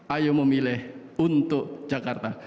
ayo memilih untuk jakarta